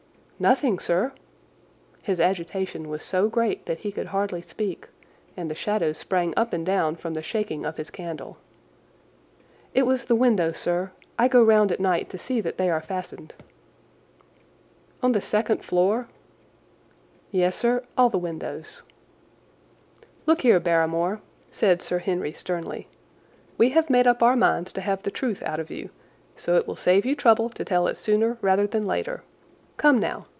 "Nothing, sir." His agitation was so great that he could hardly speak, and the shadows sprang up and down from the shaking of his candle. "It was the window, sir. I go round at night to see that they are fastened." "On the second floor?" "Yes, sir, all the windows." "Look here, Barrymore," said Sir Henry sternly, "we have made up our minds to have the truth out of you, so it will save you trouble to tell it sooner rather than later. Come, now!